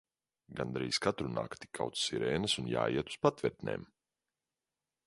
Gandrīz katru nakti kauc sirēnas un jāiet uz patvertnēm.